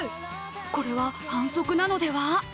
これは反則なのでは？